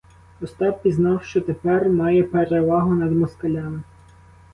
Остап пізнав, що тепер має перевагу над москалями.